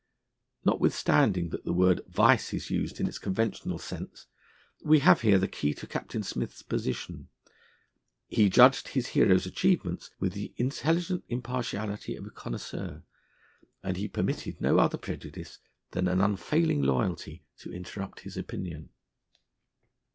Notwithstanding that the word 'vice' is used in its conventional sense, we have here the key to Captain Smith's position. He judged his heroes' achievements with the intelligent impartiality of a connoisseur, and he permitted no other prejudice than an unfailing loyalty to interrupt his opinion.